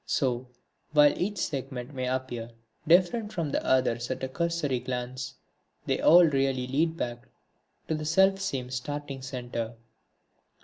So, while each segment may appear different from the others at a cursory glance, they all really lead back to the self same starting centre.